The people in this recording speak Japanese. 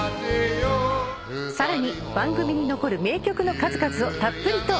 さらに番組に残る名曲の数々をたっぷりとお送りします。